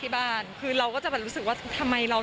อุ๊๊ยเข้าใจเลยนะ